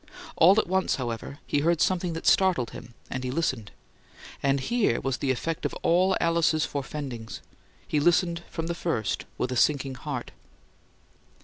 All at once, however, he heard something that startled him, and he listened and here was the effect of all Alice's forefendings; he listened from the first with a sinking heart.